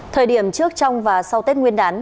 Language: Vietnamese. thời điểm trước trong và sau tết nguyên đán